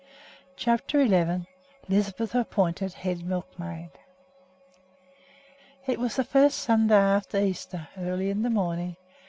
CHAPTER XI LISBETH APPOINTED HEAD MILKMAID It was the first Sunday after Easter, early in the morning.